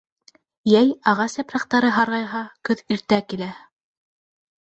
Йәй ағас япраҡтары һарғайһа, көҙ иртә килә.